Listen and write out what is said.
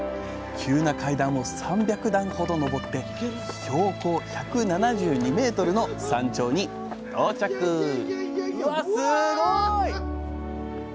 急な階段を３００段ほどのぼって標高１７２ｍの山頂に到着うわっすごい！